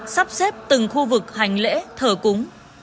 sắp xếp từng khu vực hành lễ thờ cúng